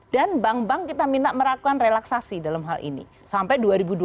dan bank bank kita minta melakukan relaksasi dalam hal ini sampai dua ribu dua puluh tiga